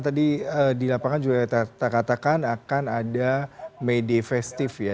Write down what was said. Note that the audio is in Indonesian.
tadi di lapangan juga terkatakan akan ada may day festive ya